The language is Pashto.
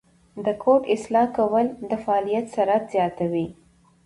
د کوډ اصلاح کول د فعالیت سرعت زیاتوي.